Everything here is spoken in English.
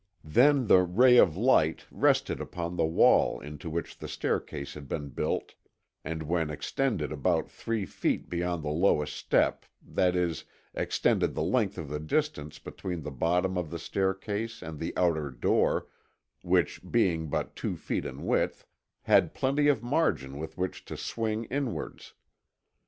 Then the ray of light rested upon the wall into which the staircase had been built and which extended about three feet beyond the lowest step, that is, extended the length of the distance between the bottom of the staircase and the outer door, which, being but two feet in width, had plenty of margin with which to swing inwards.